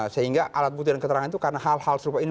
sehingga alat bukti dan keterangan itu karena hal hal serupa ini